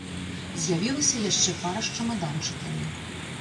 З'явілася яшчэ пара з чамаданчыкамі.